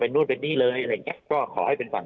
นู่นเป็นนี่เลยอะไรอย่างเงี้ยก็ขอให้เป็นฝั่ง